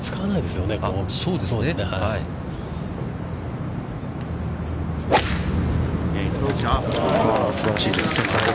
◆すばらしいです。